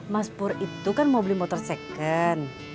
mas pur itu kan mau beli motor second